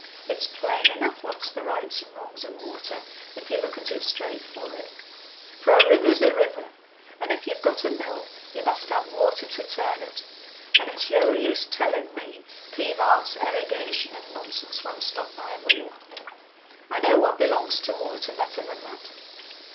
It's plain enough what's the rights and the wrongs of water, if you look at it straight forrard; for a river's a river, and if you've got a mill, you must have water to turn it; and it's no use telling me Pivart's erigation and nonsense won't stop my wheel; I know what belongs to water better than that.